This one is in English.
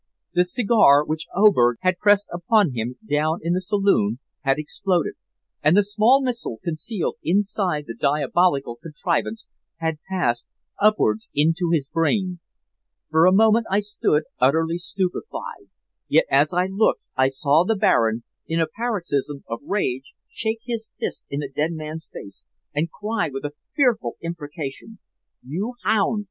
The cigar which Oberg had pressed upon him down in the saloon had exploded, and the small missile concealed inside the diabolical contrivance had passed upwards into his brain. For a moment I stood utterly stupefied, yet as I looked I saw the Baron, in a paroxysm of rage, shake his fist in the dead man's face, and cry with a fearful imprecation: 'You hound!